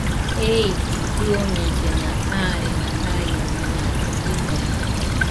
Ei kɨoñellena arena naiñañona llidonote